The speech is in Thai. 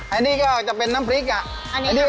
อันนี้ก็จะเป็นน้ำเงี้ยซะ